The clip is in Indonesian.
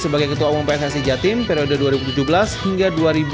sebagai ketua umum pssi jatim periode dua ribu tujuh belas hingga dua ribu dua puluh